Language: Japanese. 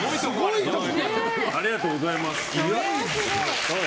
ありがとうございます。